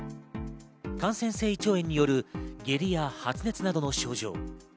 感染性胃腸炎による下痢や発熱などの症状。